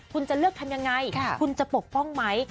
คุณจะเลือกทำยังไงคุณจะปกป้องไหม